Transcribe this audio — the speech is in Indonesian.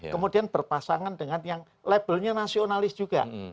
kemudian berpasangan dengan yang labelnya nasionalis juga